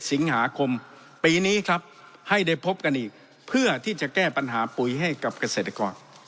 สิงหาคมปีนี้ครับให้ได้พบกันอีกเพื่อที่จะแก้ปัญหาปุ๋ยให้กับเกษตรกร